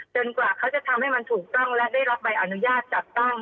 กว่าเขาจะทำให้มันถูกต้องและได้รับใบอนุญาตจัดตั้ง